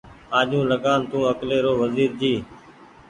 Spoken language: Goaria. آجوٚنٚ لگآن تونٚ اڪلي رو وزير جي